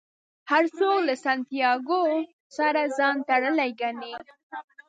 هر څوک له سانتیاګو سره ځان تړلی ګڼي.